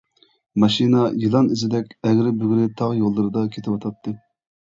ماشىنا يىلان ئىزىدەك ئەگرى-بۈگرى تاغ يوللىرىدا كېتىۋاتاتتى.